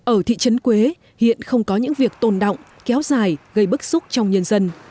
ở thị trấn quế hiện không có những việc tồn động kéo dài gây bức xúc trong nhân dân